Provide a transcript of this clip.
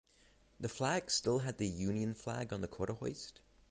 The flag still had the Union flag on the quarter-hoist.